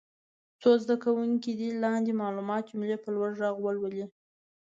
څو زده کوونکي دې لاندې معلوماتي جملې په لوړ غږ ولولي.